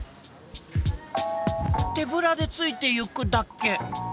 手ぶらでついてゆくだけ。